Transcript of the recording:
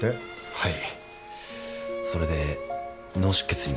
はい。